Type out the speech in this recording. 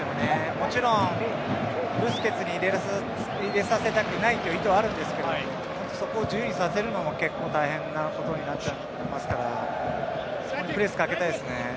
もちろんブスケツに入れさせたくない意図はあるんですけどもそこを自由にさせるのも結構大変なことになりますからプレスをかけたいですよね。